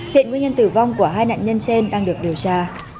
hiện nguyên nhân tử vong của hai nạn nhân trên đang được điều tra